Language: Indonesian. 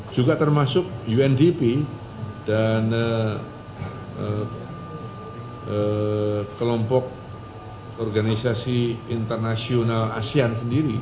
juga termasuk undp dan kelompok organisasi internasional asean sendiri